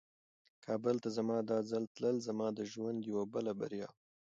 کابل ته زما دا ځل تلل زما د ژوند یوه بله بریا وه.